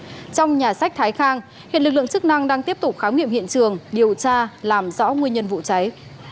trong nhà sách thái khang hiện lực lượng chức năng đang tiếp tục khám nghiệm hiện trường điều tra làm rõ nguyên nhân vụ cháy